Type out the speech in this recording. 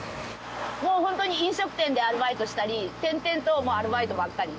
もうホントに飲食店でアルバイトしたり転々ともうアルバイトばっかりで。